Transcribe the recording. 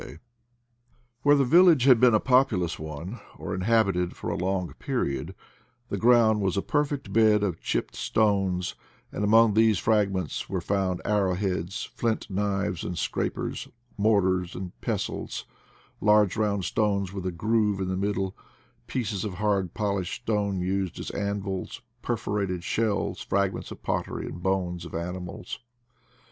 VALLEY OF THE BLACK EIVEE 37 Where the village had been a populous one, or inhabited for a long period, the ground was a perfect bed of chipped stones, and among these fragments were found arrow heads, flint knives and scrapers, mortars and pestles, large round stones with a groove in the middle, pieces of hard polished stone used as anvils, perforated shells, fragments of pottery, and bones of animals.